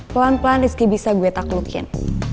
pelan pelan rizky bisa gue taklukin